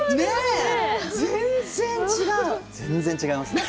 全然違いますね。